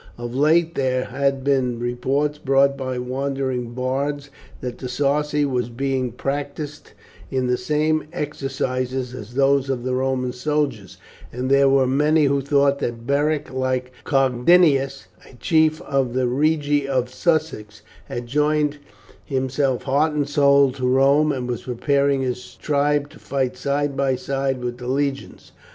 Of late there had been reports brought by wandering bards that the Sarci were being practised in the same exercises as those of the Roman soldiers, and there were many who thought that Beric, like Cogidinus, a chief of the Regi of Sussex, had joined himself heart and soul to Rome, and was preparing his tribe to fight side by side with the legions.